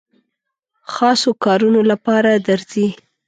خاصو کارونو لپاره درځي.